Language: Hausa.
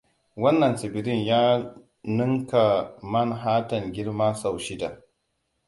Wannan tsibirin ya nunka Manhattan girma sau shida.